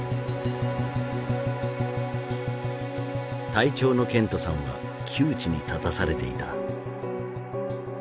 隊長のケントさんは窮地に立たされていた。